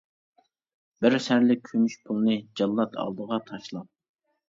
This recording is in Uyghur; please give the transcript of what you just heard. بىر سەرلىك كۈمۈش پۇلنى، جاللات ئالدىغا تاشلاپ.